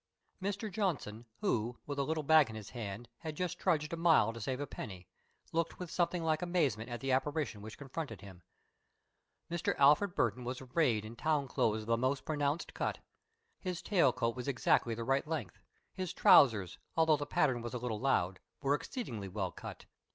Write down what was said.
Mr. Johnson, who, with a little bag in his hand, had just trudged a mile to save a penny, looked with something like amazement at the apparition which confronted him. Mr. Alfred Burton was arrayed in town clothes of the most pronounced cut. His tail coat was exactly the right length; his trousers, although the pattern was a little loud, were exceedingly well cut.